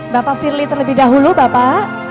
bapak firly terlebih dahulu bapak